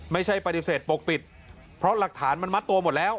ไม่ใช่ปฏิเสธปกปิดเพราะหลักฐานมันมัดตัวหมดแล้ว